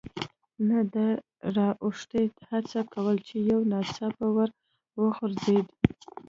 نه د را اوښتو هڅه کول، چې یو ناڅاپه ور وغورځېد.